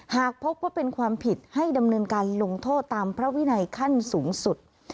หากพบว่าเป็นความผิดให้ดำเนินการลงโทษตามพระวินัยขั้นสูงสุด